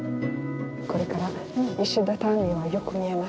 これから石畳がよく見えます。